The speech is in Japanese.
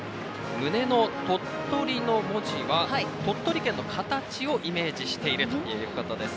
胸のＴＯＴＴＯＲＩの文字は鳥取県の形をイメージしているということです。